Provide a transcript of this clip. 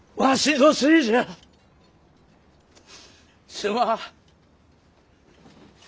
すまん！